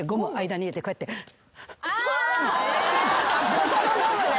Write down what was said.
ここのゴムね。